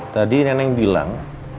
tadi nenek bilang